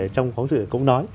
trong phóng sự cũng nói